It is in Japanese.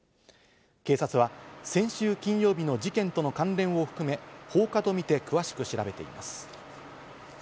警察は先週金曜日の事件との関連を含め、放火とみて詳しく調べています。